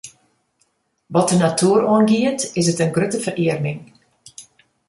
Wat de natoer oangiet, is it in grutte ferearming.